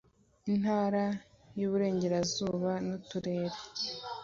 intara y iburengerazuba n uturere